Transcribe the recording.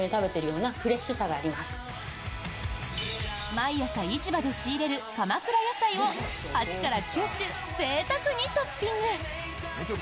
毎朝、市場で仕入れる鎌倉野菜を８９種ぜいたくにトッピング！